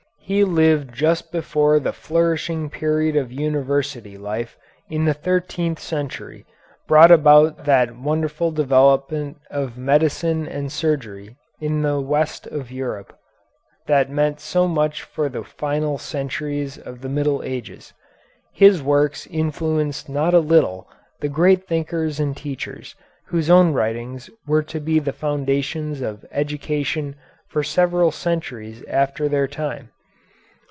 He lived just before the flourishing period of university life in the thirteenth century brought about that wonderful development of medicine and surgery in the west of Europe that meant so much for the final centuries of the Middle Ages. His works influenced not a little the great thinkers and teachers whose own writings were to be the foundations of education for several centuries after their time.